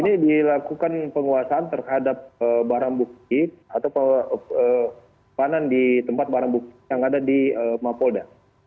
ini dilakukan penguasaan terhadap barang bukti atau panan di tempat barang bukti yang ada di mapolda